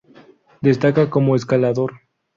Destaca como escalador.